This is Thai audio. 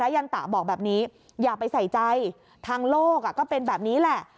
อย่าไปใส่ใจทางโลกอ่ะก็เป็นแบบนี้แหละ